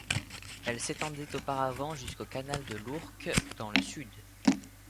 Elle s'étendait auparavant jusqu'au canal de l'Ourcq dans le sud.